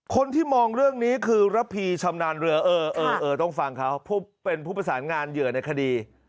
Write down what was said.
คนที่มองเรื่องนี้คือระพีชำนาญเรือเออต้องฟังเขาเป็นผู้ประสานงานเหยื่อในคดี